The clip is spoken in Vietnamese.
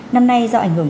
năm nay do ảnh hưởng